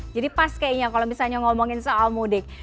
jadi pas kayaknya kalau misalnya ngomongin soal mudik